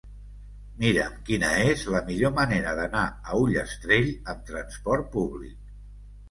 Mira'm quina és la millor manera d'anar a Ullastrell amb trasport públic.